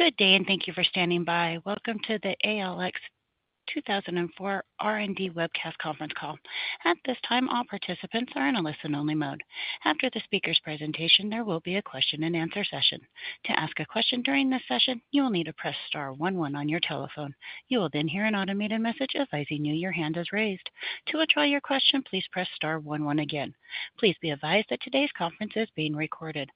Good day, and thank you for standing by. Welcome to the ALX 2004 R&D Webcast Conference call. At this time, all participants are in a listen-only mode. After the speaker's presentation, there will be a question-and-answer session. To ask a question during this session, you will need to press star one one on your telephone. You will then hear an automated message advising you your hand is raised. To withdraw your question, please press star one one again. Please be advised that today's conference is being recorded.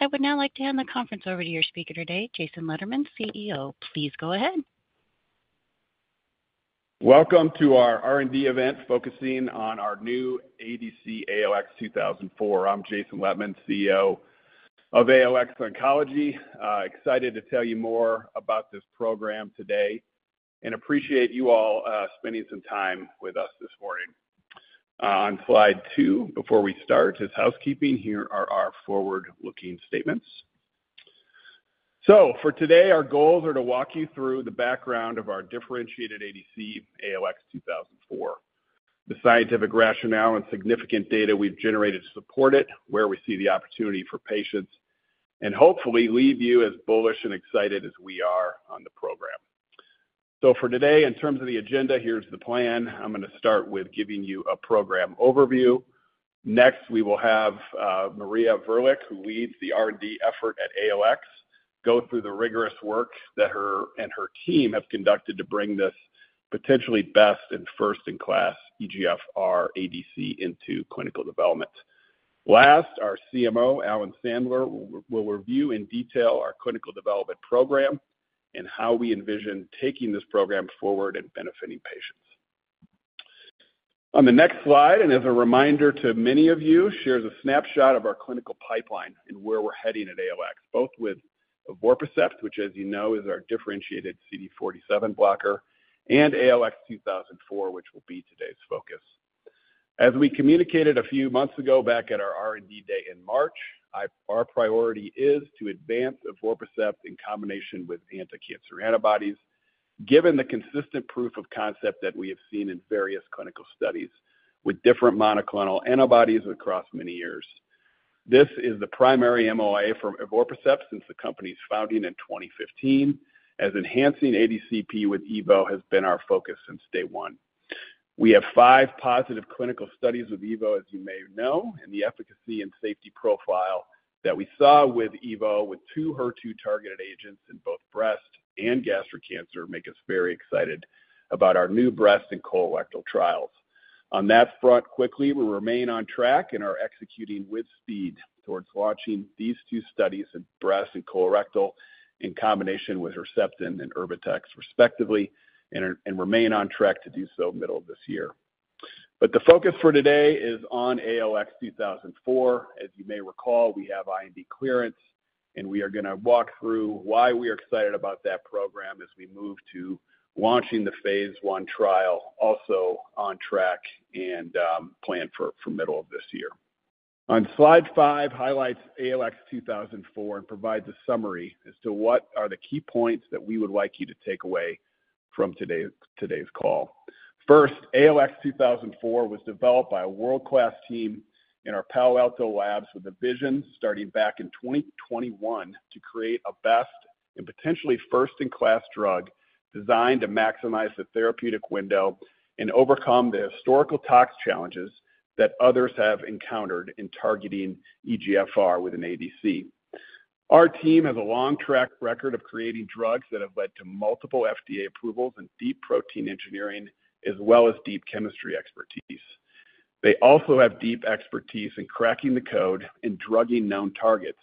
I would now like to hand the conference over to your speaker today, Jason Lettmann, CEO. Please go ahead. Welcome to our R&D event focusing on our new ADC ALX 2004. I'm Jason Lettmann, CEO of ALX Oncology. Excited to tell you more about this program today and appreciate you all spending some time with us this morning. On slide two, before we start, just housekeeping. Here are our forward-looking statements. For today, our goals are to walk you through the background of our differentiated ADC ALX 2004, the scientific rationale and significant data we've generated to support it, where we see the opportunity for patients, and hopefully leave you as bullish and excited as we are on the program. For today, in terms of the agenda, here's the plan. I'm going to start with giving you a program overview. Next, we will have Marija Virsik, who leads the R&D effort at ALX, go through the rigorous work that she and her team have conducted to bring this potentially best and first-in-class EGFR ADC into clinical development. Last, our CMO, Alan Sandler, will review in detail our clinical development program and how we envision taking this program forward and benefiting patients. On the next slide, and as a reminder to many of you, shares a snapshot of our clinical pipeline and where we're heading at ALX, both with VortiCept, which, as you know, is our differentiated CD47 blocker, and ALX 2004, which will be today's focus. As we communicated a few months ago back at our R&D day in March, our priority is to advance VortiCept in combination with anti-cancer antibodies, given the consistent proof of concept that we have seen in various clinical studies with different monoclonal antibodies across many years. This is the primary MOA for VortiCept since the company's founding in 2015, as enhancing ADCP with Evo has been our focus since day one. We have five positive clinical studies with Evo, as you may know, and the efficacy and safety profile that we saw with Evo, with two HER2-targeted agents in both breast and gastric cancer, makes us very excited about our new breast and colorectal trials. On that front, quickly, we remain on track and are executing with speed towards launching these two studies in breast and colorectal in combination with Herceptin and Erbitux, respectively, and remain on track to do so middle of this year. The focus for today is on ALX 2004. As you may recall, we have IND clearance, and we are going to walk through why we are excited about that program as we move to launching the phase I trial, also on track and planned for middle of this year. On slide five, highlights ALX 2004 and provides a summary as to what are the key points that we would like you to take away from today's call. First, ALX 2004 was developed by a world-class team in our Palo Alto labs with a vision starting back in 2021 to create a best and potentially first-in-class drug designed to maximize the therapeutic window and overcome the historical tox challenges that others have encountered in targeting EGFR with an ADC. Our team has a long track record of creating drugs that have led to multiple FDA approvals and deep protein engineering, as well as deep chemistry expertise. They also have deep expertise in cracking the code and drugging known targets,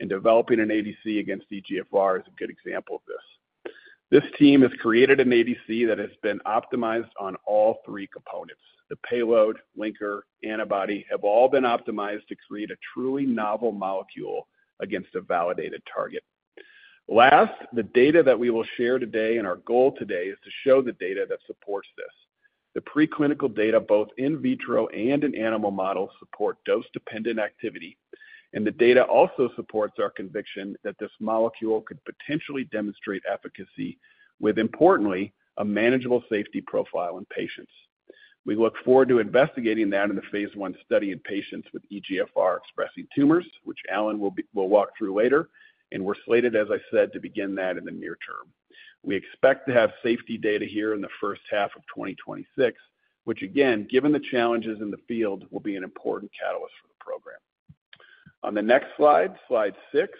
and developing an ADC against EGFR is a good example of this. This team has created an ADC that has been optimized on all three components. The payload, linker, antibody have all been optimized to create a truly novel molecule against a validated target. Last, the data that we will share today and our goal today is to show the data that supports this. The preclinical data, both in vitro and in animal models, support dose-dependent activity, and the data also supports our conviction that this molecule could potentially demonstrate efficacy with, importantly, a manageable safety profile in patients. We look forward to investigating that in the phase I study in patients with EGFR-expressing tumors, which Alan will walk through later, and we're slated, as I said, to begin that in the near term. We expect to have safety data here in the first half of 2026, which, again, given the challenges in the field, will be an important catalyst for the program. On the next slide, slide six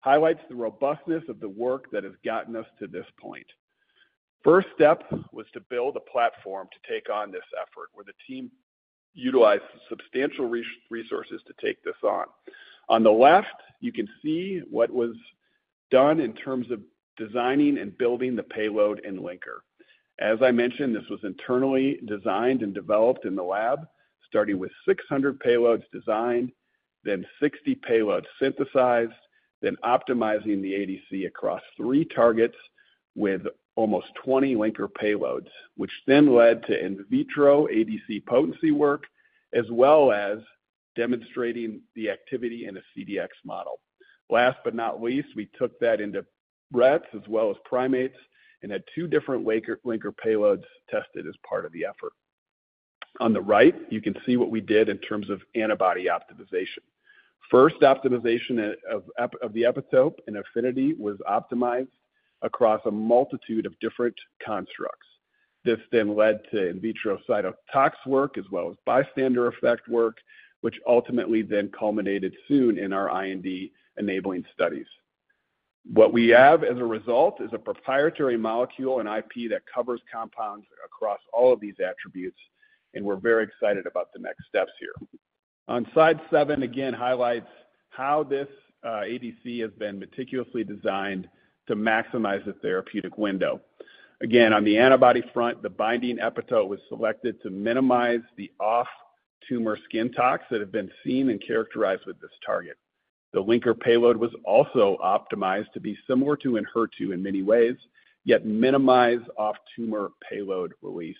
highlights the robustness of the work that has gotten us to this point. First step was to build a platform to take on this effort, where the team utilized substantial resources to take this on. On the left, you can see what was done in terms of designing and building the payload and linker. As I mentioned, this was internally designed and developed in the lab, starting with 600 payloads designed, then 60 payloads synthesized, then optimizing the ADC across three targets with almost 20 linker payloads, which then led to in vitro ADC potency work, as well as demonstrating the activity in a CDX model. Last but not least, we took that into breasts as well as primates and had two different linker payloads tested as part of the effort. On the right, you can see what we did in terms of antibody optimization. First, optimization of the epitope and affinity was optimized across a multitude of different constructs. This then led to in vitro cytotox work as well as bystander effect work, which ultimately then culminated soon in our IND enabling studies. What we have as a result is a proprietary molecule and IP that covers compounds across all of these attributes, and we're very excited about the next steps here. On slide seven, again, highlights how this ADC has been meticulously designed to maximize the therapeutic window. Again, on the antibody front, the binding epitope was selected to minimize the off-tumor skin tox that have been seen and characterized with this target. The linker payload was also optimized to be similar to a HER2 in many ways, yet minimize off-tumor payload release.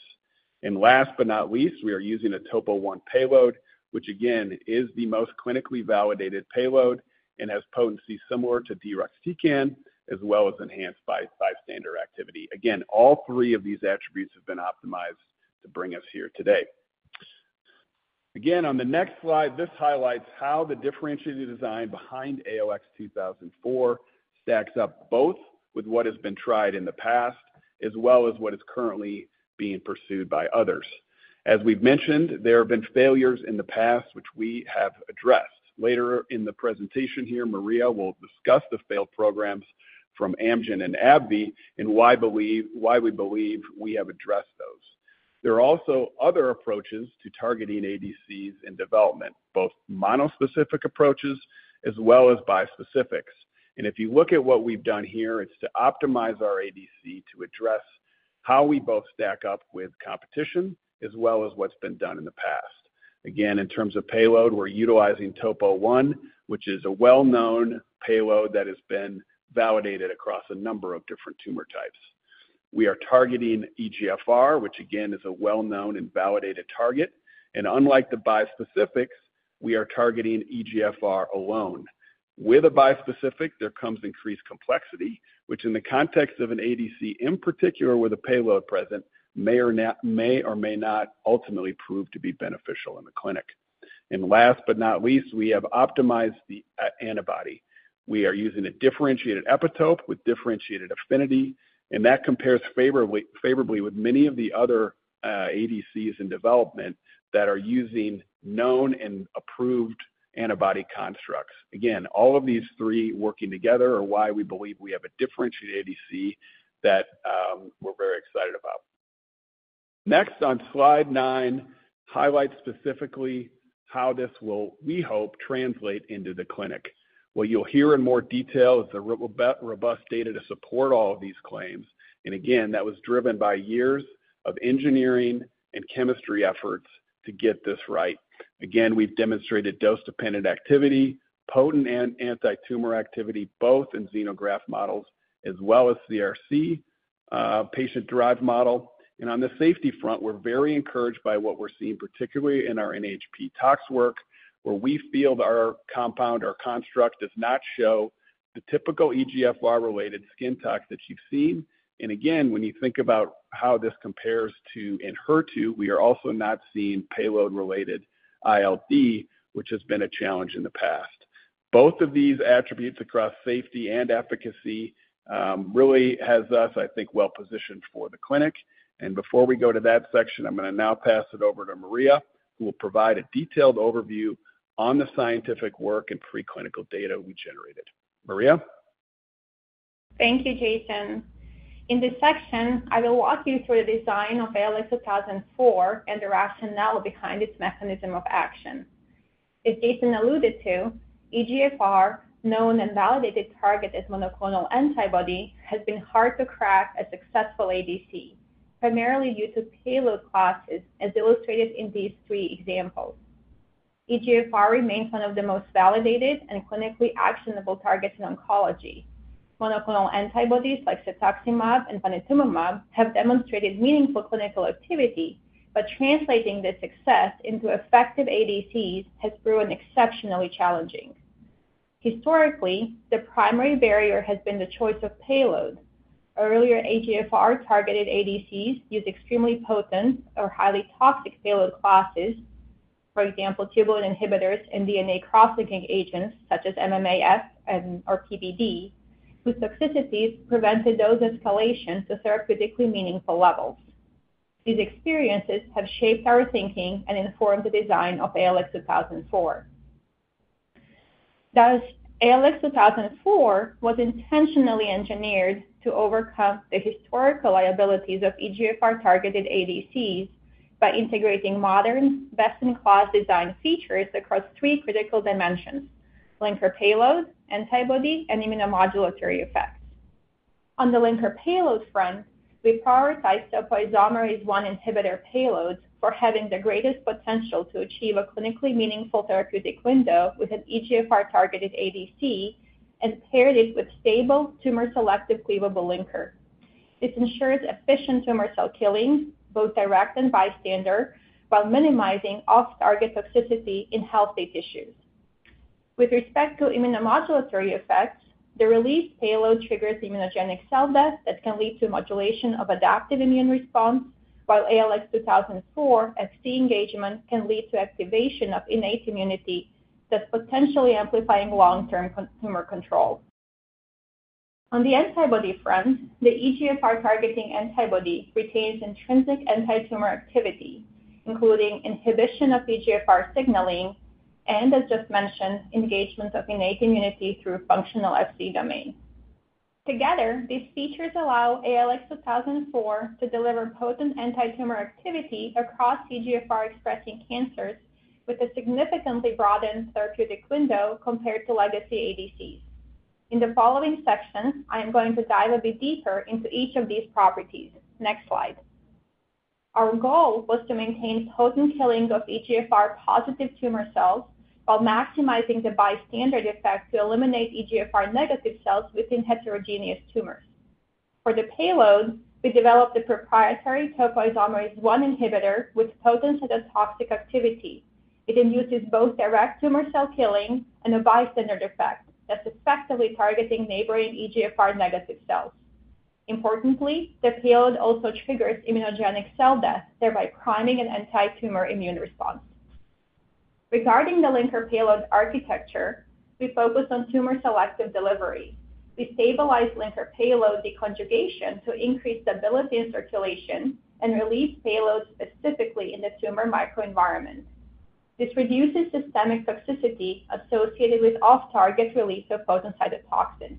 Last but not least, we are using a topo one payload, which again is the most clinically validated payload and has potency similar to DRUXTCAN, as well as enhanced by bystander activity. Again, all three of these attributes have been optimized to bring us here today. On the next slide, this highlights how the differentiated design behind ALX 2004 stacks up both with what has been tried in the past, as well as what is currently being pursued by others. As we've mentioned, there have been failures in the past, which we have addressed. Later in the presentation here, Marija will discuss the failed programs from Amgen and AbbVie and why we believe we have addressed those. There are also other approaches to targeting ADCs in development, both monospecific approaches as well as bispecifics. If you look at what we've done here, it's to optimize our ADC to address how we both stack up with competition, as well as what's been done in the past. Again, in terms of payload, we're utilizing topo one, which is a well-known payload that has been validated across a number of different tumor types. We are targeting EGFR, which again is a well-known and validated target. Unlike the bispecifics, we are targeting EGFR alone. With a bispecific, there comes increased complexity, which in the context of an ADC in particular with a payload present may or may not ultimately prove to be beneficial in the clinic. Last but not least, we have optimized the antibody. We are using a differentiated epitope with differentiated affinity, and that compares favorably with many of the other ADCs in development that are using known and approved antibody constructs. Again, all of these three working together are why we believe we have a differentiated ADC that we're very excited about. Next, on slide nine, highlight specifically how this will, we hope, translate into the clinic. What you'll hear in more detail is the robust data to support all of these claims. Again, that was driven by years of engineering and chemistry efforts to get this right. We've demonstrated dose-dependent activity, potent anti-tumor activity, both in xenograft models as well as CRC patient-derived model. On the safety front, we're very encouraged by what we're seeing, particularly in our NHP tox work, where we feel that our compound, our construct, does not show the typical EGFR-related skin tox that you've seen. When you think about how this compares to an HER2, we are also not seeing payload-related ILD, which has been a challenge in the past. Both of these attributes across safety and efficacy really have us, I think, well positioned for the clinic. Before we go to that section, I'm going to now pass it over to Marija, who will provide a detailed overview on the scientific work and preclinical data we generated. Marija? Thank you, Jason. In this section, I will walk you through the design of ALX 2004 and the rationale behind its mechanism of action. As Jason alluded to, EGFR, known and validated targeted monoclonal antibody, has been hard to crack as a successful ADC, primarily due to payload classes, as illustrated in these three examples. EGFR remains one of the most validated and clinically actionable targets in oncology. Monoclonal antibodies like cetuximab and panitumumab have demonstrated meaningful clinical activity, but translating this success into effective ADCs has proven exceptionally challenging. Historically, the primary barrier has been the choice of payload. Earlier, EGFR-targeted ADCs used extremely potent or highly toxic payload classes, for example, tubulin inhibitors and DNA crosslinking agents such as MMAF or PBD, whose toxicities prevented dose escalations to therapeutically meaningful levels. These experiences have shaped our thinking and informed the design of ALX 2004. Thus, ALX 2004 was intentionally engineered to overcome the historical liabilities of EGFR-targeted ADCs by integrating modern best-in-class design features across three critical dimensions: linker payload, antibody, and immunomodulatory effects. On the linker payload front, we prioritized topoisomerase I inhibitor payloads for having the greatest potential to achieve a clinically meaningful therapeutic window with an EGFR-targeted ADC and paired it with stable tumor-selective cleavable linker. This ensures efficient tumor cell killing, both direct and bystander, while minimizing off-target toxicity in healthy tissues. With respect to immunomodulatory effects, the released payload triggers immunogenic cell death that can lead to modulation of adaptive immune response, while ALX 2004 at CD47 engagement can lead to activation of innate immunity, thus potentially amplifying long-term tumor control. On the antibody front, the EGFR-targeting antibody retains intrinsic anti-tumor activity, including inhibition of EGFR signaling and, as just mentioned, engagement of innate immunity through functional FC domain. Together, these features allow ALX 2004 to deliver potent anti-tumor activity across EGFR-expressing cancers, with a significantly broadened therapeutic window compared to legacy ADCs. In the following section, I am going to dive a bit deeper into each of these properties. Next slide. Our goal was to maintain potent killing of EGFR-positive tumor cells while maximizing the bystander effect to eliminate EGFR-negative cells within heterogeneous tumors. For the payload, we developed a proprietary topoisomerase I inhibitor with potent cytotoxic activity. It induces both direct tumor cell killing and a bystander effect, thus effectively targeting neighboring EGFR-negative cells. Importantly, the payload also triggers immunogenic cell death, thereby priming an anti-tumor immune response. Regarding the linker payload architecture, we focused on tumor selective delivery. We stabilized linker payload deconjugation to increase stability in circulation and release payloads specifically in the tumor microenvironment. This reduces systemic toxicity associated with off-target release of potent cytotoxins.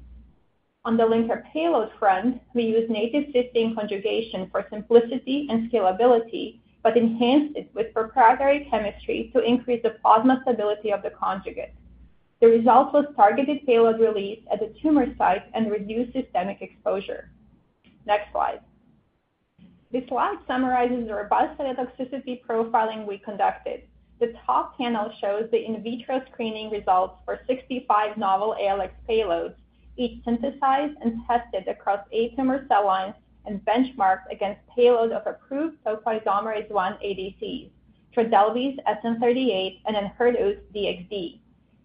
On the linker payload front, we used native cysteine conjugation for simplicity and scalability, but enhanced it with proprietary chemistry to increase the plasma stability of the conjugate. The result was targeted payload release at the tumor site and reduced systemic exposure. Next slide. This slide summarizes the robust cytotoxicity profiling we conducted. The top panel shows the in vitro screening results for 65 novel ALX payloads, each synthesized and tested across eight tumor cell lines and benchmarked against payloads of approved topoisomerase I ADCs, Trodelvy, SN38, and HERDOST DXD.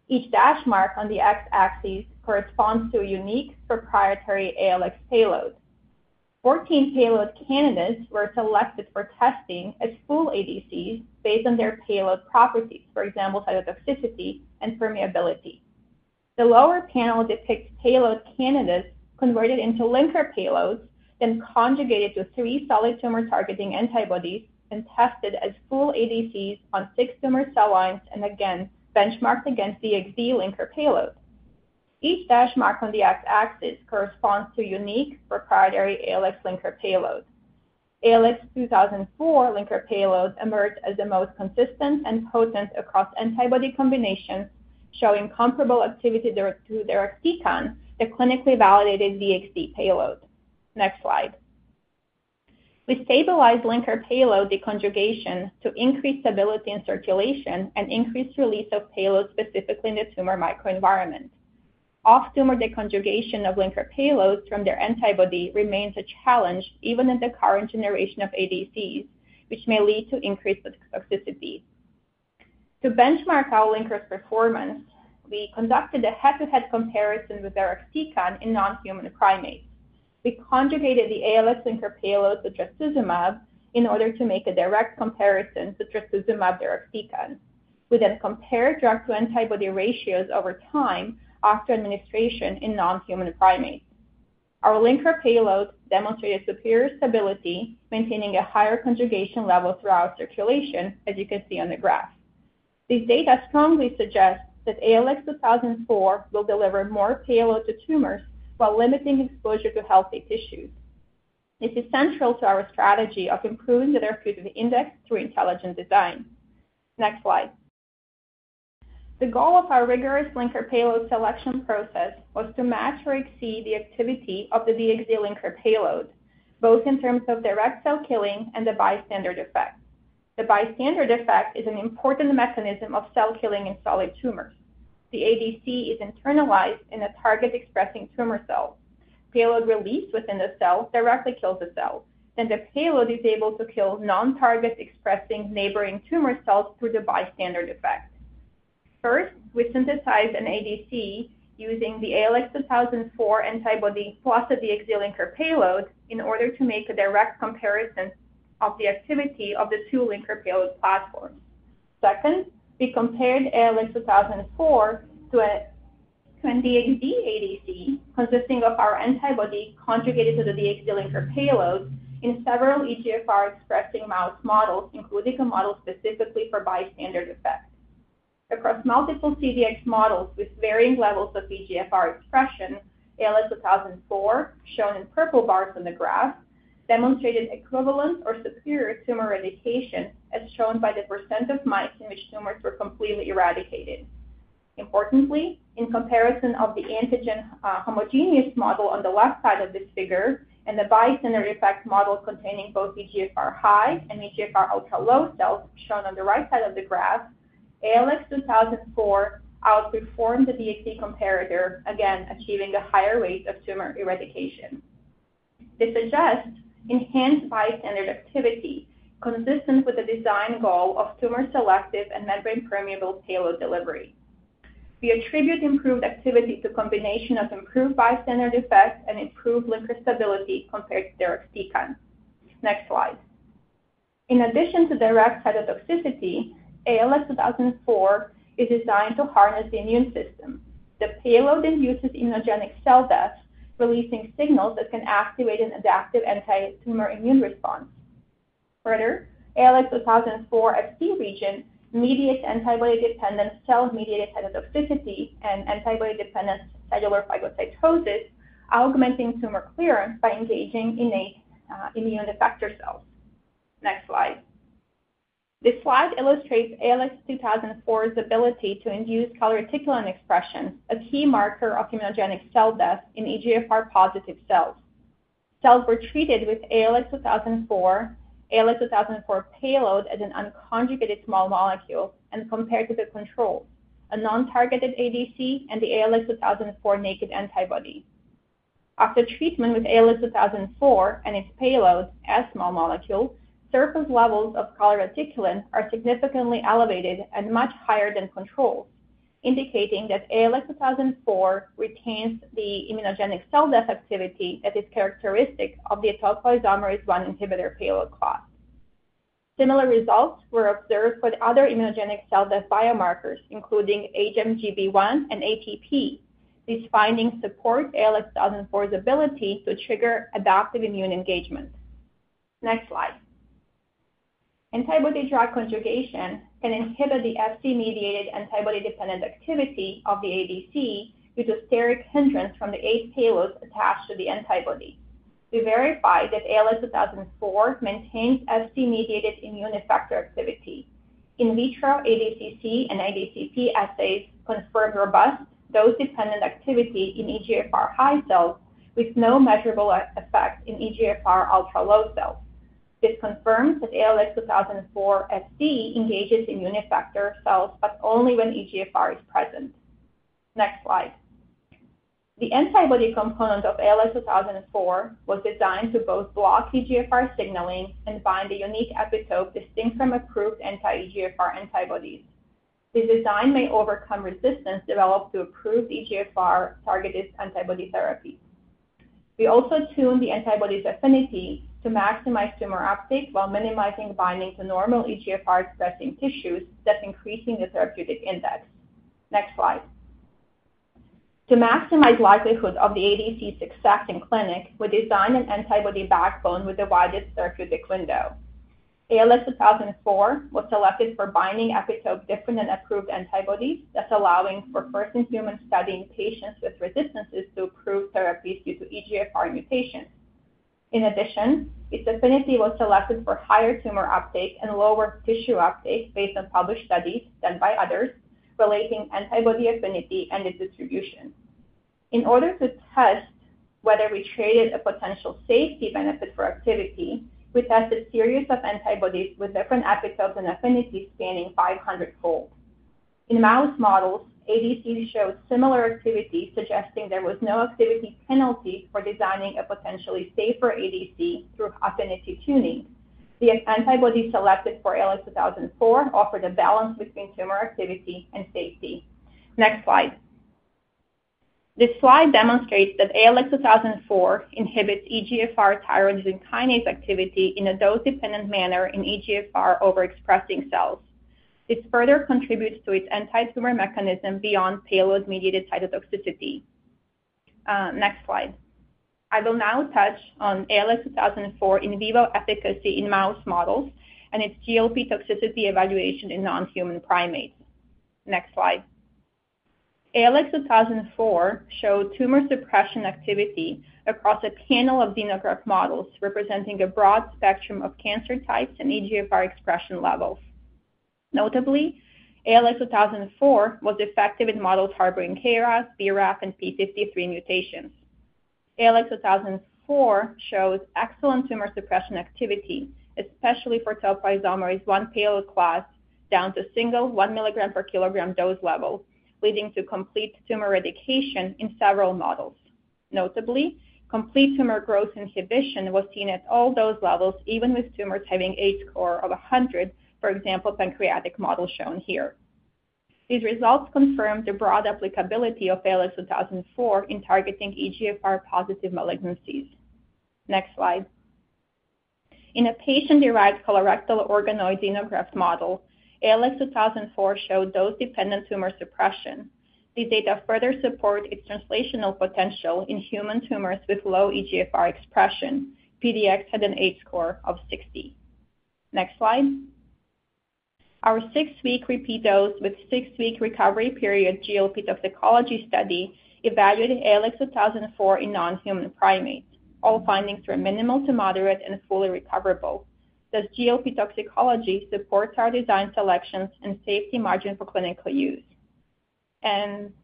Each dash mark on the X-axis corresponds to a unique proprietary ALX payload. Fourteen payload candidates were selected for testing as full ADCs based on their payload properties, for example, cytotoxicity and permeability. The lower panel depicts payload candidates converted into linker payloads, then conjugated to three solid tumor-targeting antibodies and tested as full ADCs on six tumor cell lines and again benchmarked against DXD linker payload. Each dash mark on the X-axis corresponds to a unique proprietary ALX linker payload. ALX 2004 linker payloads emerged as the most consistent and potent across antibody combinations, showing comparable activity to DRUXTCAN, the clinically validated DXD payload. Next slide. We stabilized linker payload deconjugation to increase stability in circulation and increased release of payloads specifically in the tumor microenvironment. Off-tumor deconjugation of linker payloads from their antibody remains a challenge even in the current generation of ADCs, which may lead to increased toxicity. To benchmark our linkers' performance, we conducted a head-to-head comparison with DRUXTCAN in non-human primates. We conjugated the ALX linker payload to trastuzumab in order to make a direct comparison to trastuzumab DRUXTCAN. We then compared drug-to-antibody ratios over time after administration in non-human primates. Our linker payload demonstrated superior stability, maintaining a higher conjugation level throughout circulation, as you can see on the graph. These data strongly suggest that ALX 2004 will deliver more payload to tumors while limiting exposure to healthy tissues. This is central to our strategy of improving the therapeutic index through intelligent design. Next slide. The goal of our rigorous linker payload selection process was to match or exceed the activity of the DXD linker payload, both in terms of direct cell killing and the bystander effect. The bystander effect is an important mechanism of cell killing in solid tumors. The ADC is internalized in a target-expressing tumor cell. Payload released within the cell directly kills the cell. The payload is able to kill non-target-expressing neighboring tumor cells through the bystander effect. First, we synthesized an ADC using the ALX 2004 antibody plus a DXD linker payload in order to make a direct comparison of the activity of the two linker payload platforms. Second, we compared ALX 2004 to a DXD ADC consisting of our antibody conjugated to the DXD linker payload in several EGFR-expressing mouse models, including a model specifically for bystander effect. Across multiple CDX models with varying levels of EGFR expression, ALX 2004, shown in purple bars on the graph, demonstrated equivalent or superior tumor eradication, as shown by the % of mice in which tumors were completely eradicated. Importantly, in comparison of the antigen homogeneous model on the left side of this figure and the bystander effect model containing both EGFR high and EGFR ultra-low cells shown on the right side of the graph, ALX 2004 outperformed the DXD comparator, again achieving a higher rate of tumor eradication. This suggests enhanced bystander activity consistent with the design goal of tumor selective and membrane-permeable payload delivery. We attribute improved activity to a combination of improved bystander effect and improved linker stability compared to DRUXTCAN. Next slide. In addition to direct cytotoxicity, ALX 2004 is designed to harness the immune system. The payload induces immunogenic cell death, releasing signals that can activate an adaptive anti-tumor immune response. Further, ALX 2004 FC region mediates antibody-dependent cell-mediated cytotoxicity and antibody-dependent cellular phagocytosis, augmenting tumor clearance by engaging innate immune effector cells. Next slide. This slide illustrates ALX 2004's ability to induce calreticulin expression, a key marker of immunogenic cell death in EGFR-positive cells. Cells were treated with ALX 2004, ALX 2004 payload as an unconjugated small molecule, and compared to the control, a non-targeted ADC and the ALX 2004 naked antibody. After treatment with ALX 2004 and its payload as small molecule, surface levels of calreticulin are significantly elevated and much higher than controls, indicating that ALX 2004 retains the immunogenic cell death activity that is characteristic of the topoisomerase I inhibitor payload class. Similar results were observed for other immunogenic cell death biomarkers, including HMGB1 and ATP. These findings support ALX 2004's ability to trigger adaptive immune engagement. Next slide. Antibody drug conjugation can inhibit the FC-mediated antibody-dependent activity of the ADC due to steric hindrance from the eight payloads attached to the antibody. We verified that ALX 2004 maintains FC-mediated immune effector activity. In vitro ADCC and ADCP assays confirmed robust dose-dependent activity in EGFR high cells with no measurable effect in EGFR ultra-low cells. This confirms that ALX 2004 FC engages immune effector cells, but only when EGFR is present. Next slide. The antibody component of ALX 2004 was designed to both block EGFR signaling and bind a unique epitope distinct from approved anti-EGFR antibodies. This design may overcome resistance developed to approved EGFR-targeted antibody therapy. We also tuned the antibody's affinity to maximize tumor uptake while minimizing binding to normal EGFR-expressing tissues, thus increasing the therapeutic index. Next slide. To maximize the likelihood of the ADC's success in clinic, we designed an antibody backbone with the widest therapeutic window. ALX 2004 was selected for binding epitope different than approved antibodies, thus allowing for first-in-human study in patients with resistances to approved therapies due to EGFR mutation. In addition, its affinity was selected for higher tumor uptake and lower tissue uptake based on published studies done by others relating antibody affinity and its distribution. In order to test whether we created a potential safety benefit for activity, we tested a series of antibodies with different epitopes and affinity spanning 500-fold. In mouse models, ADCs showed similar activity, suggesting there was no activity penalty for designing a potentially safer ADC through affinity tuning. The antibody selected for ALX 2004 offered a balance between tumor activity and safety. Next slide. This slide demonstrates that ALX 2004 inhibits EGFR tyrosine kinase activity in a dose-dependent manner in EGFR overexpressing cells. This further contributes to its anti-tumor mechanism beyond payload-mediated cytotoxicity. Next slide. I will now touch on ALX 2004 in vivo efficacy in mouse models and its GLP toxicology evaluation in non-human primates. Next slide. ALX 2004 showed tumor suppression activity across a panel of xenograft models representing a broad spectrum of cancer types and EGFR expression levels. Notably, ALX 2004 was effective in models harboring KRAS, BRAF, and P53 mutations. ALX 2004 shows excellent tumor suppression activity, especially for topoisomerase I payload class down to single 1 mg per kg dose level, leading to complete tumor eradication in several models. Notably, complete tumor growth inhibition was seen at all dose levels, even with tumors having H score of 100, for example, pancreatic model shown here. These results confirm the broad applicability of ALX 2004 in targeting EGFR-positive malignancies. Next slide. In a patient-derived colorectal organoid xenograft model, ALX 2004 showed dose-dependent tumor suppression. These data further support its translational potential in human tumors with low EGFR expression. PDX had an H score of 60. Next slide. Our six-week repeat dose with six-week recovery period GLP toxicology study evaluated ALX 2004 in non-human primates. All findings were minimal to moderate and fully recoverable. Thus, GLP toxicology supports our design selections and safety margin for clinical use.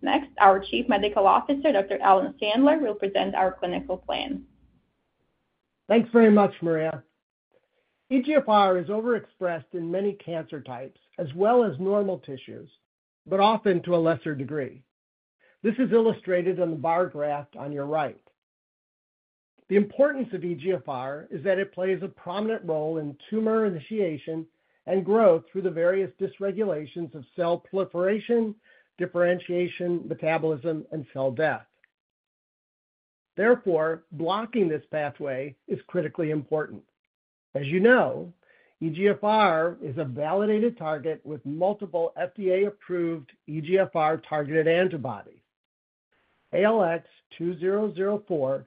Next, our Chief Medical Officer, Dr. Alan Sandler, will present our clinical plan. Thanks very much, Marija. EGFR is overexpressed in many cancer types, as well as normal tissues, but often to a lesser degree. This is illustrated on the bar graph on your right. The importance of EGFR is that it plays a prominent role in tumor initiation and growth through the various dysregulations of cell proliferation, differentiation, metabolism, and cell death. Therefore, blocking this pathway is critically important. As you know, EGFR is a validated target with multiple FDA-approved EGFR-targeted antibodies. ALX 2004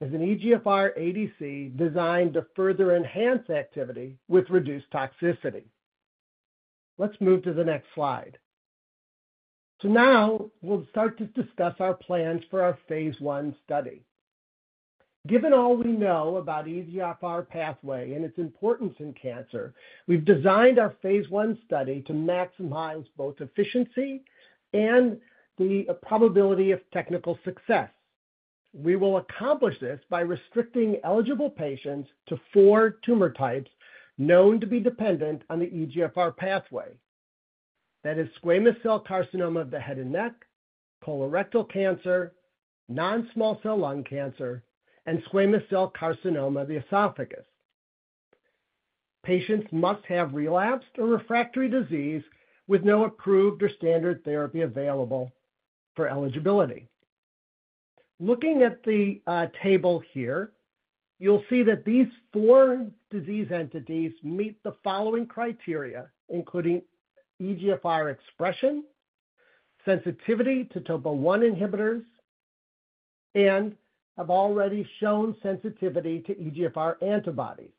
is an EGFR ADC designed to further enhance activity with reduced toxicity. Let's move to the next slide. Now we'll start to discuss our plans for our phase I study. Given all we know about the EGFR pathway and its importance in cancer, we've designed our phase I study to maximize both efficiency and the probability of technical success. We will accomplish this by restricting eligible patients to four tumor types known to be dependent on the EGFR pathway. That is, squamous cell carcinoma of the head and neck, colorectal cancer, non-small cell lung cancer, and squamous cell carcinoma of the esophagus. Patients must have relapsed or refractory disease with no approved or standard therapy available for eligibility. Looking at the table here, you'll see that these four disease entities meet the following criteria, including EGFR expression, sensitivity to topo I inhibitors, and have already shown sensitivity to EGFR antibodies.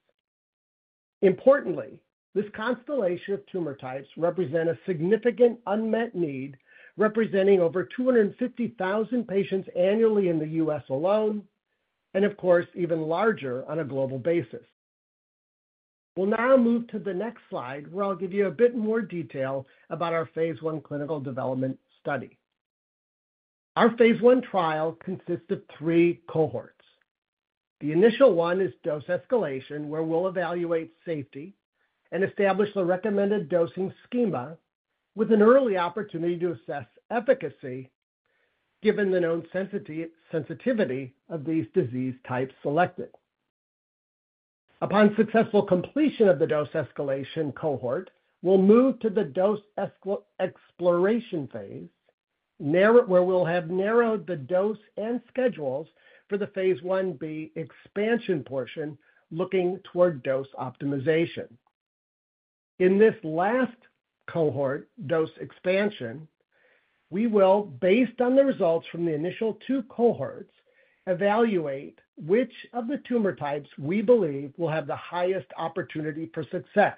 Importantly, this constellation of tumor types represents a significant unmet need, representing over 250,000 patients annually in the U.S. alone, and of course, even larger on a global basis. We'll now move to the next slide, where I'll give you a bit more detail about our phase I clinical development study. Our phase I trial consists of three cohorts. The initial one is dose escalation, where we'll evaluate safety and establish the recommended dosing schema with an early opportunity to assess efficacy given the known sensitivity of these disease types selected. Upon successful completion of the dose escalation cohort, we'll move to the dose exploration phase, where we'll have narrowed the dose and schedules for the phase I B expansion portion, looking toward dose optimization. In this last cohort, dose expansion, we will, based on the results from the initial two cohorts, evaluate which of the tumor types we believe will have the highest opportunity for success.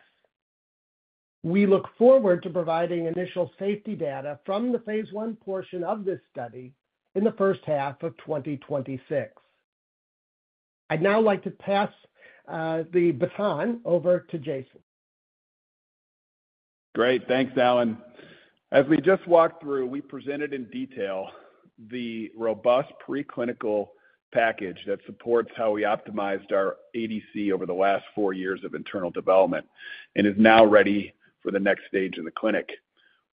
We look forward to providing initial safety data from the phase I portion of this study in the first half of 2026. I'd now like to pass the baton over to Jason. Great. Thanks, Alan. As we just walked through, we presented in detail the robust preclinical package that supports how we optimized our ADC over the last four years of internal development and is now ready for the next stage in the clinic.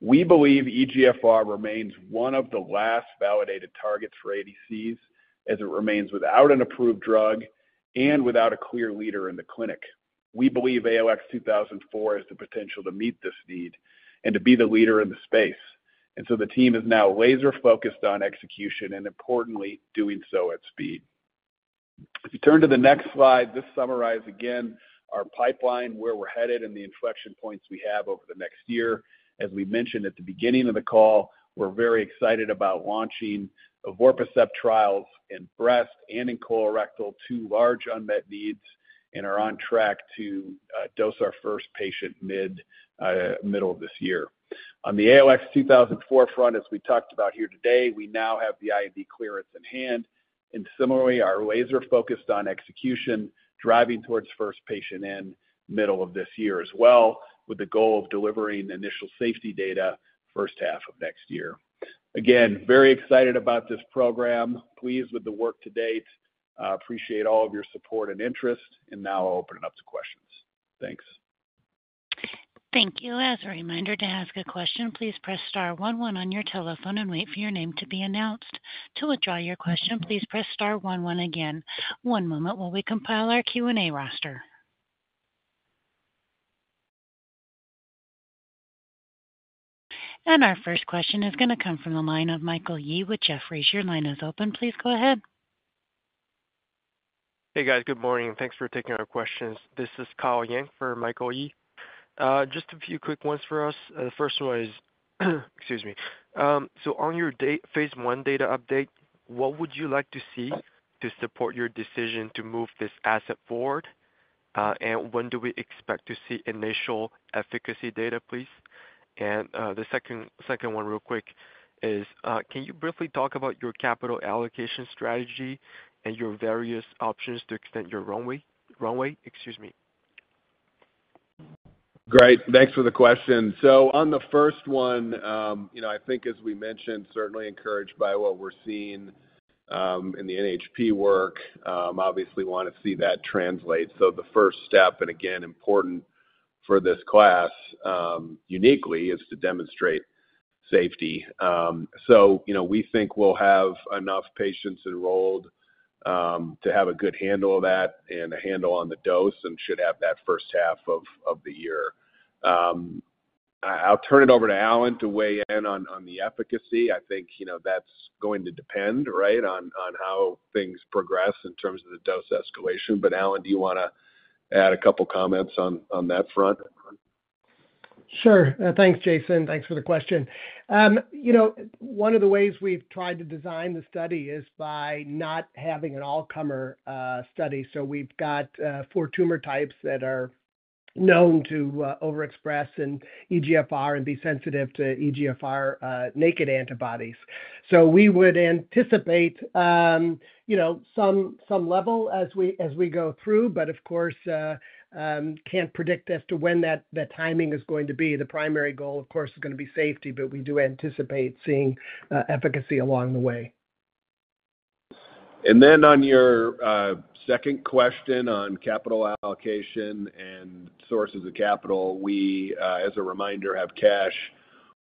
We believe EGFR remains one of the last validated targets for ADCs, as it remains without an approved drug and without a clear leader in the clinic. We believe ALX 2004 has the potential to meet this need and to be the leader in the space. The team is now laser-focused on execution and, importantly, doing so at speed. If you turn to the next slide, this summarizes again our pipeline, where we're headed, and the inflection points we have over the next year. As we mentioned at the beginning of the call, we're very excited about launching Evorpacept trials in breast and in colorectal to large unmet needs and are on track to dose our first patient mid-middle of this year. On the ALX 2004 front, as we talked about here today, we now have the IAB clearance in hand. Similarly, our laser-focused on execution driving towards first patient end middle of this year as well, with the goal of delivering initial safety data first half of next year. Again, very excited about this program, pleased with the work to date. Appreciate all of your support and interest. Now I'll open it up to questions. Thanks. Thank you. As a reminder to ask a question, please press star one one on your telephone and wait for your name to be announced. To withdraw your question, please press star one one again. One moment while we compile our Q&A roster. Our first question is going to come from the line of Michael Yee with Jefferies. Your line is open. Please go ahead. Hey, guys. Good morning. Thanks for taking our questions. This is Kyle Yang for Michael Yee. Just a few quick ones for us. The first one is, excuse me. On your phase I data update, what would you like to see to support your decision to move this asset forward? When do we expect to see initial efficacy data, please? The second one, real quick, is can you briefly talk about your capital allocation strategy and your various options to extend your runway? Excuse me. Great. Thanks for the question. On the first one, I think, as we mentioned, certainly encouraged by what we're seeing in the NHP work, obviously want to see that translate. The first step, and again, important for this class uniquely, is to demonstrate safety. We think we'll have enough patients enrolled to have a good handle of that and a handle on the dose and should have that first half of the year. I'll turn it over to Alan to weigh in on the efficacy. I think that's going to depend, right, on how things progress in terms of the dose escalation. Alan, do you want to add a couple of comments on that front? Sure. Thanks, Jason. Thanks for the question. One of the ways we've tried to design the study is by not having an all-comer study. We've got four tumor types that are known to overexpress in EGFR and be sensitive to EGFR naked antibodies. We would anticipate some level as we go through, but of course, can't predict as to when that timing is going to be. The primary goal, of course, is going to be safety, but we do anticipate seeing efficacy along the way. On your second question on capital allocation and sources of capital, we, as a reminder, have cash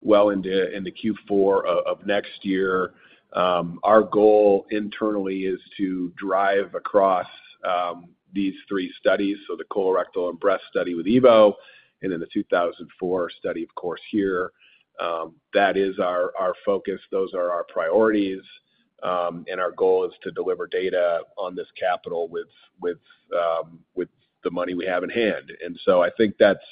well into Q4 of next year. Our goal internally is to drive across these three studies: the colorectal and breast study with EVO and then the 2004 study, of course, here. That is our focus. Those are our priorities. Our goal is to deliver data on this capital with the money we have in hand. I think that's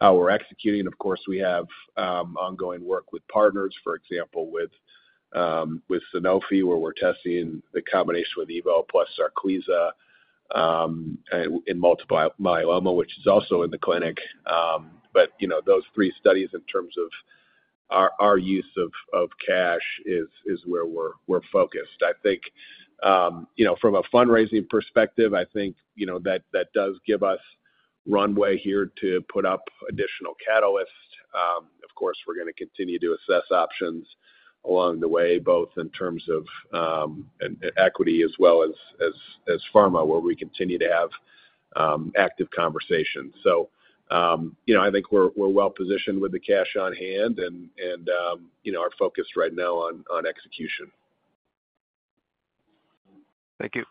how we're executing. Of course, we have ongoing work with partners, for example, with Sanofi, where we're testing the combination with EVO plus Sarclisa in multiple myeloma, which is also in the clinic. Those three studies in terms of our use of cash is where we're focused. I think from a fundraising perspective, that does give us runway here to put up additional catalysts. Of course, we're going to continue to assess options along the way, both in terms of equity as well as pharma, where we continue to have active conversations. I think we're well-positioned with the cash on hand and our focus right now on execution. Thank you.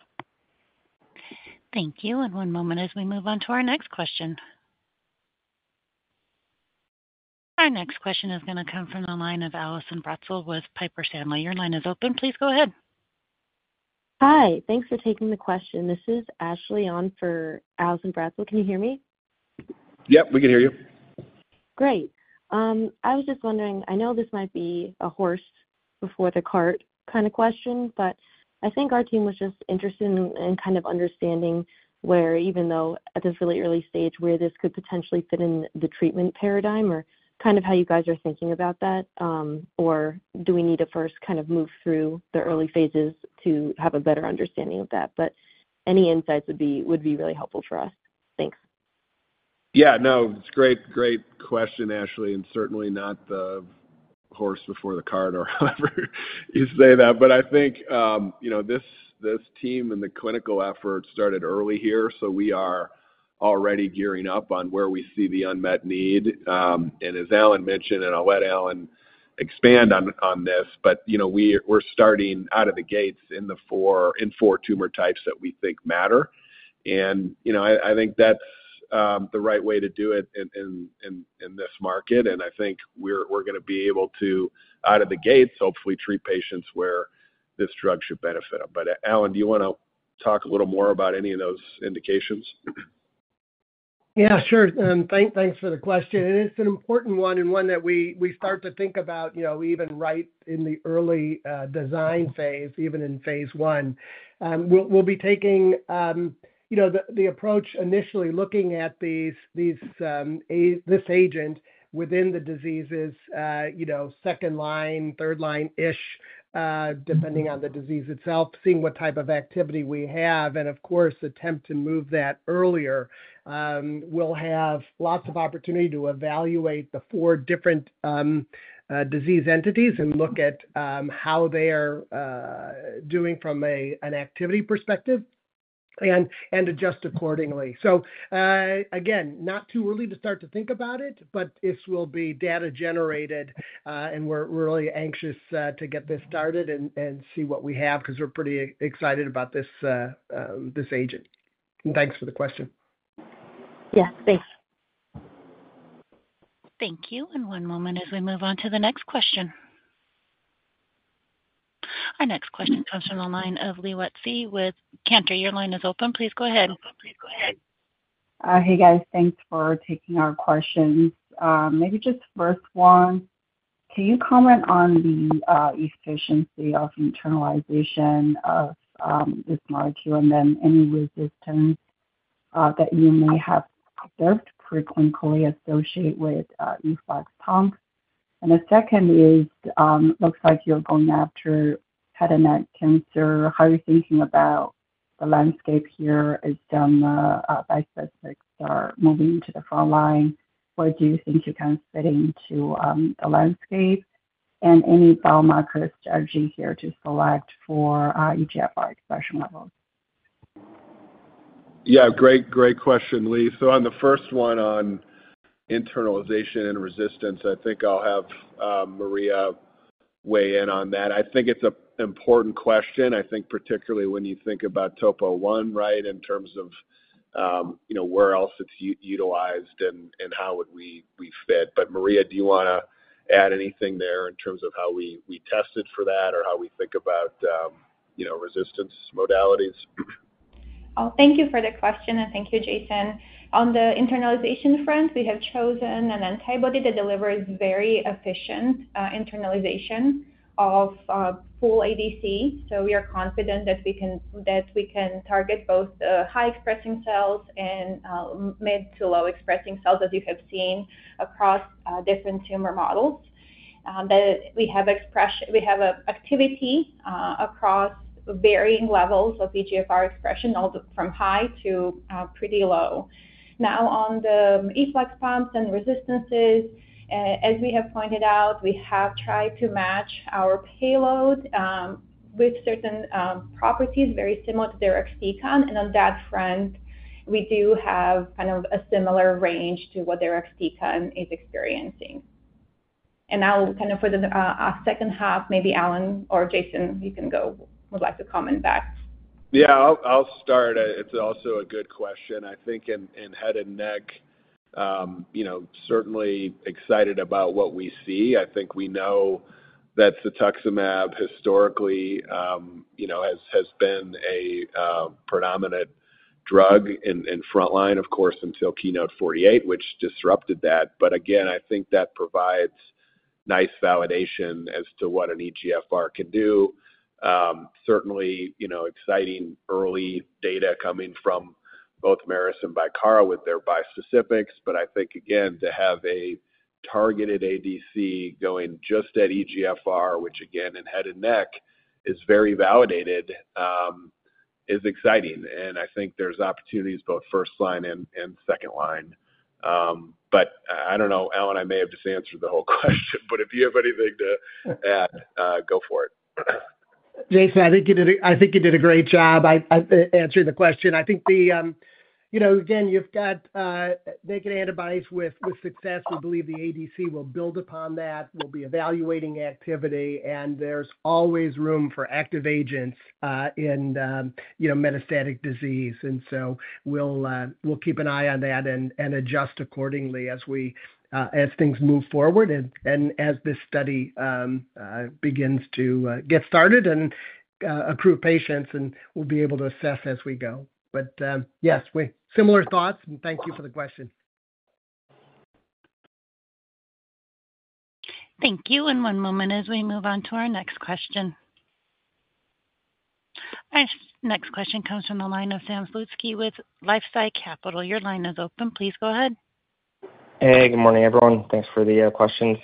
Thank you. One moment as we move on to our next question. Our next question is going to come from the line of Allison Marie Bratzel with Piper Sandler. Your line is open. Please go ahead. Hi. Thanks for taking the question. This is Ashley on for Allison Marie Bratzel. Can you hear me? Yep. We can hear you. Great. I was just wondering, I know this might be a horse before the cart kind of question, but I think our team was just interested in kind of understanding where, even though at this really early stage, where this could potentially fit in the treatment paradigm or kind of how you guys are thinking about that, or do we need to first kind of move through the early phases to have a better understanding of that? Any insights would be really helpful for us. Thanks. Yeah. No, it's a great question, Ashley, and certainly not the horse before the cart or however you say that. I think this team and the clinical effort started early here. We are already gearing up on where we see the unmet need. As Alan mentioned, and I'll let Alan expand on this, we're starting out of the gates in four tumor types that we think matter. I think that's the right way to do it in this market. I think we're going to be able to, out of the gates, hopefully treat patients where this drug should benefit. Alan, do you want to talk a little more about any of those indications? Yeah, sure. Thanks for the question. It's an important one and one that we start to think about even right in the early design phase, even in phase I. We'll be taking the approach initially looking at this agent within the disease's second line, third line-ish, depending on the disease itself, seeing what type of activity we have, and of course, attempt to move that earlier. We'll have lots of opportunity to evaluate the four different disease entities and look at how they are doing from an activity perspective and adjust accordingly. Again, not too early to start to think about it, but this will be data-generated, and we're really anxious to get this started and see what we have because we're pretty excited about this agent. Thanks for the question. Yeah. Thanks. Thank you. One moment as we move on to the next question. Our next question comes from the line of Leigh Wettsy with Cantor. Your line is open. Please go ahead. Hey, guys. Thanks for taking our questions. Maybe just first one, can you comment on the efficiency of internalization of this molecule and then any resistance that you may have observed pre-clinically associated with EVOX-POMC? The second is, looks like you're going after head and neck cancer. How are you thinking about the landscape here as some bispecifics are moving to the front line? Where do you think you can fit into the landscape? Any biomarker strategy here to select for EGFR expression levels? Yeah. Great question, Leigh. On the first one on internalization and resistance, I think I'll have Marija weigh in on that. I think it's an important question. I think particularly when you think about topo one, right, in terms of where else it's utilized and how would we fit. Marija, do you want to add anything there in terms of how we tested for that or how we think about resistance modalities? Oh, thank you for the question, and thank you, Jason. On the internalization front, we have chosen an antibody that delivers very efficient internalization of full ADC. We are confident that we can target both the high-expressing cells and mid to low-expressing cells, as you have seen, across different tumor models. We have activity across varying levels of EGFR expression, from high to pretty low. Now, on the EVOX-POMC and resistances, as we have pointed out, we have tried to match our payload with certain properties very similar to Diraxtecan. On that front, we do have kind of a similar range to what Diraxtecan is experiencing. Now, for our second half, maybe Alan or Jason, you can go. Would like to comment back. Yeah. I'll start. It's also a good question. I think in head and neck, certainly excited about what we see. I think we know that Cetuximab historically has been a predominant drug in front line, of course, until keynote 48, which disrupted that. I think that provides nice validation as to what an EGFR can do. Certainly exciting early data coming from both Marison and Baccara with their bispecifics. I think, again, to have a targeted ADC going just at EGFR, which, in head and neck, is very validated, is exciting. I think there's opportunities both first line and second line. I don't know. Alan and I may have just answered the whole question. If you have anything to add, go for it. Jason, I think you did a great job answering the question. I think, again, you've got naked antibodies with success. We believe the ADC will build upon that. We'll be evaluating activity. There's always room for active agents in metastatic disease. We'll keep an eye on that and adjust accordingly as things move forward and as this study begins to get started and accrue patients, and we'll be able to assess as we go. Yes, similar thoughts. Thank you for the question. Thank you. One moment as we move on to our next question. Our next question comes from the line of Sam Slutsky with LifeSci Capital. Your line is open. Please go ahead. Hey, good morning, everyone. Thanks for the questions.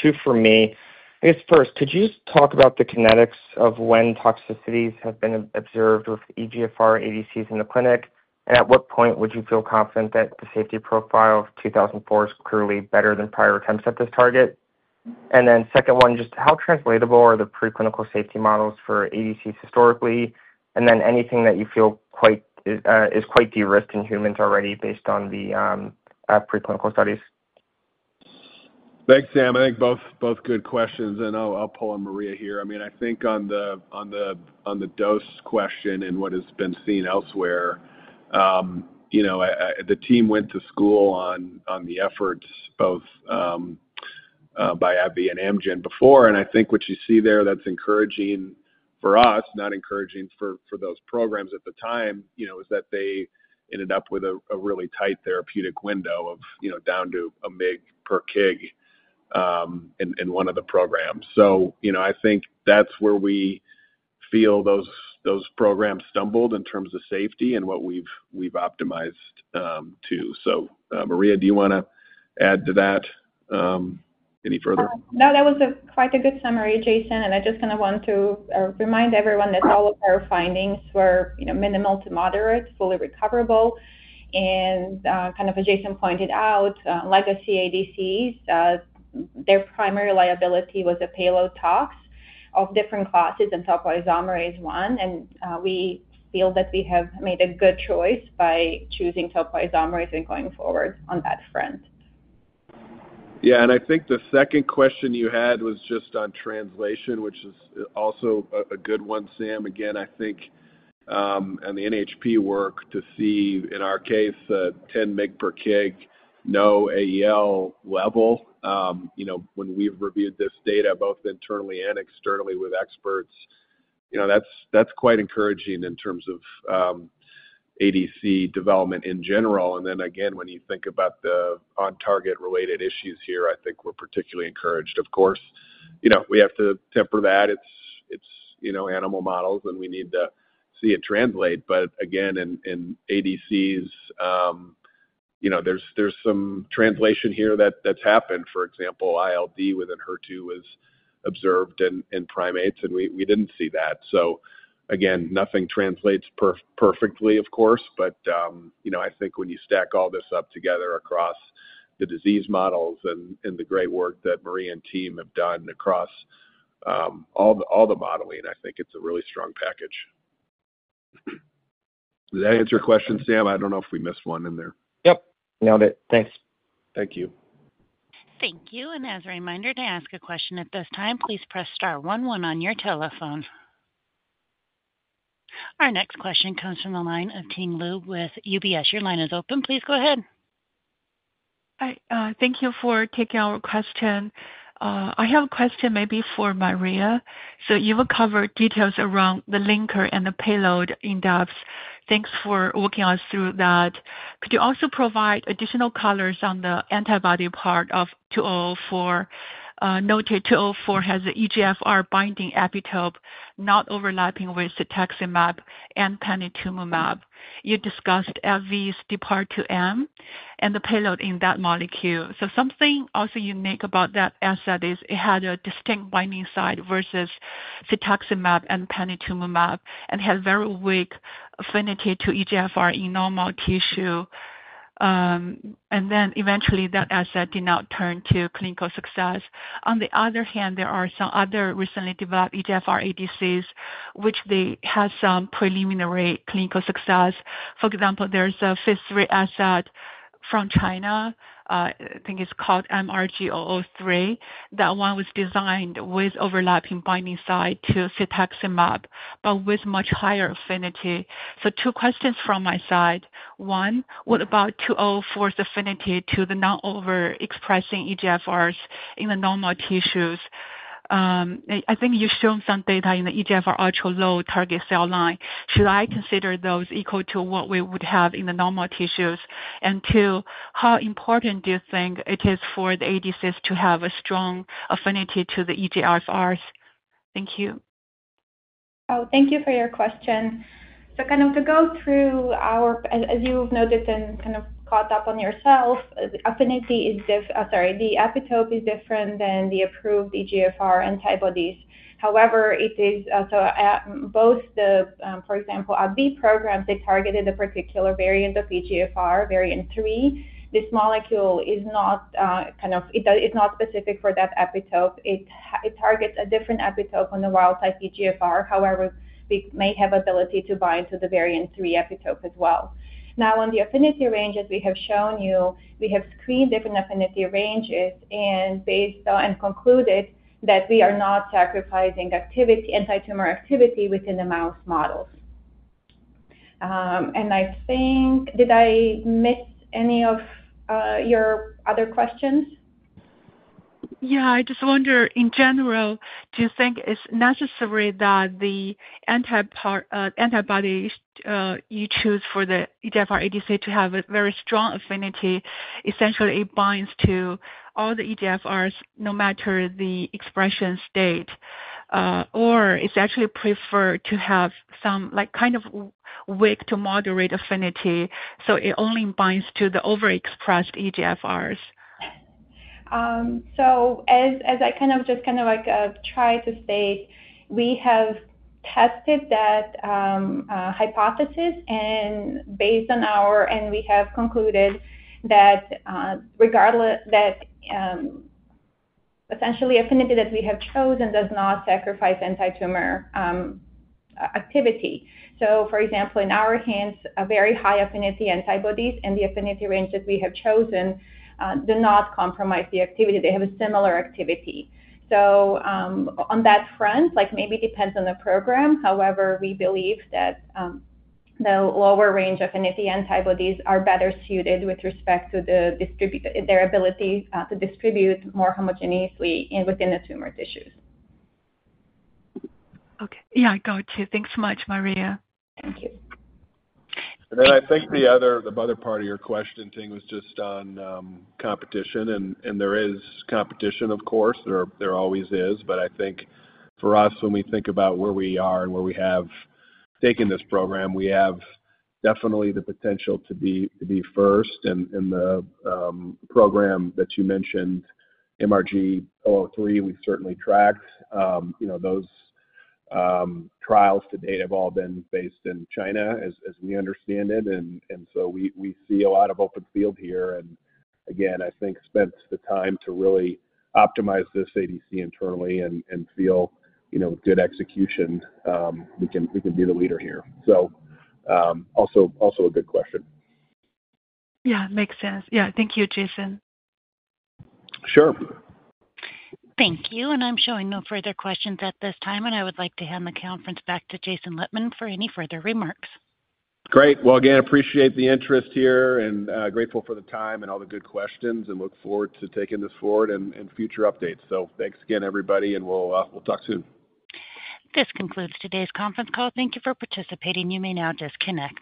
Two for me. I guess first, could you just talk about the kinetics of when toxicities have been observed with EGFR ADCs in the clinic? At what point would you feel confident that the safety profile of 2004 is clearly better than prior attempts at this target? Second one, just how translatable are the pre-clinical safety models for ADCs historically? Anything that you feel is quite de-risked in humans already based on the pre-clinical studies? Thanks, Sam. I think both good questions. I'll pull on Marija here. I mean, I think on the dose question and what has been seen elsewhere, the team went to school on the efforts both by AbbVie and Amgen before. I think what you see there that's encouraging for us, not encouraging for those programs at the time, is that they ended up with a really tight therapeutic window of down to 1 mg per kg in one of the programs. I think that's where we feel those programs stumbled in terms of safety and what we've optimized to. Marija, do you want to add to that any further? No, that was quite a good summary, Jason. I just kind of want to remind everyone that all of our findings were minimal to moderate, fully recoverable. Kind of as Jason pointed out, like the ADCs, their primary liability was the payload tox of different classes and topoisomerase I. We feel that we have made a good choice by choosing topoisomerase and going forward on that front. Yeah. I think the second question you had was just on translation, which is also a good one, Sam. Again, I think on the NHP work to see in our case, 10 mg per kg, no AEL level. When we've reviewed this data both internally and externally with experts, that's quite encouraging in terms of ADC development in general. Again, when you think about the on-target related issues here, I think we're particularly encouraged. Of course, we have to temper that. It's animal models, and we need to see it translate. Again, in ADCs, there's some translation here that's happened. For example, ILD within HER2 was observed in primates, and we didn't see that. Nothing translates perfectly, of course. I think when you stack all this up together across the disease models and the great work that Marija and team have done across all the modeling, I think it's a really strong package. Did that answer your question, Sam? I don't know if we missed one in there. Yep. Nailed it. Thanks. Thank you. Thank you. As a reminder to ask a question at this time, please press star one one on your telephone. Our next question comes from the line of Ting Liu with UBS. Your line is open. Please go ahead. Thank you for taking our question. I have a question maybe for Marija. You have covered details around the linker and the payload in depth. Thanks for walking us through that. Could you also provide additional colors on the antibody part of 2004? Noted 2004 has an EGFR-binding epitope not overlapping with Cetuximab and Panitumumab. You discussed AbbVie's DPAR2M and the payload in that molecule. Something also unique about that asset is it had a distinct binding site versus Cetuximab and Panitumumab and had very weak affinity to EGFR in normal tissue. Eventually that asset did not turn to clinical success. On the other hand, there are some other recently developed EGFR ADCs which had some preliminary clinical success. For example, there is a phase III asset from China. I think it is called MRG-003. That one was designed with overlapping binding site to Cetuximab, but with much higher affinity. Two questions from my side. One, what about 2004's affinity to the non-overexpressing EGFRs in the normal tissues? I think you've shown some data in the EGFR ultra-low target cell line. Should I consider those equal to what we would have in the normal tissues? Two, how important do you think it is for the ADCs to have a strong affinity to the EGFRs? Thank you. Oh, thank you for your question. To go through our, as you've noted and kind of caught up on yourself, affinity is, sorry, the epitope is different than the approved EGFR antibodies. However, it is also both the, for example, AbbVie programs, they targeted a particular variant of EGFR, variant 3. This molecule is not, it's not specific for that epitope. It targets a different epitope on the wild-type EGFR. However, we may have ability to bind to the variant 3 epitope as well. Now, on the affinity ranges we have shown you, we have screened different affinity ranges and concluded that we are not sacrificing anti-tumor activity within the mouse models. I think did I miss any of your other questions? Yeah. I just wonder, in general, do you think it's necessary that the antibody you choose for the EGFR ADC to have a very strong affinity? Essentially, it binds to all the EGFRs no matter the expression state. Or is it actually preferred to have some kind of weak to moderate affinity so it only binds to the overexpressed EGFRs? As I kind of just kind of tried to state, we have tested that hypothesis and based on our and we have concluded that essentially affinity that we have chosen does not sacrifice anti-tumor activity. For example, in our hands, very high affinity antibodies and the affinity range that we have chosen do not compromise the activity. They have a similar activity. On that front, maybe it depends on the program. However, we believe that the lower range affinity antibodies are better suited with respect to their ability to distribute more homogeneously within the tumor tissues. Okay. Yeah. Gotcha. Thanks so much, Marija. Thank you. I think the other part of your question was just on competition. There is competition, of course. There always is. I think for us, when we think about where we are and where we have taken this program, we have definitely the potential to be first. The program that you mentioned, MRG-003, we have certainly tracked. Those trials to date have all been based in China as we understand it. We see a lot of open field here. I think spent the time to really optimize this ADC internally and feel good execution, we can be the leader here. Also a good question. Yeah. Makes sense. Yeah. Thank you, Jason. Sure. Thank you. I am showing no further questions at this time. I would like to hand the conference back to Jason Lettmann for any further remarks. Great. Again, appreciate the interest here and grateful for the time and all the good questions. I look forward to taking this forward and future updates. Thanks again, everybody. We will talk soon. This concludes today's conference call. Thank you for participating. You may now disconnect.